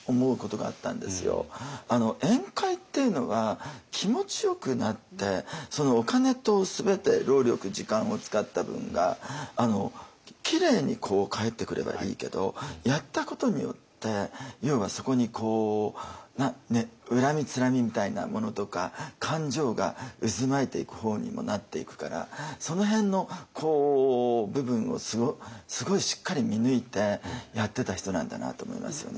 宴会っていうのは気持ちよくなってお金と全て労力時間を使った分がきれいに返ってくればいいけどやったことによって要はそこに恨みつらみみたいなものとか感情が渦巻いていく方にもなっていくからその辺の部分をすごいしっかり見抜いてやってた人なんだなと思いますよね。